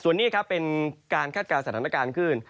ส่วนนี้ครับเป็นการคาดการณ์สถานการณ์ขึ้น